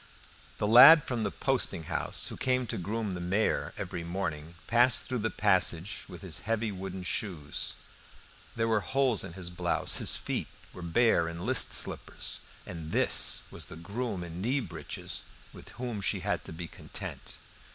The lad from the posting house who came to groom the mare every morning passed through the passage with his heavy wooden shoes; there were holes in his blouse; his feet were bare in list slippers. And this was the groom in knee britches with whom she had to be content!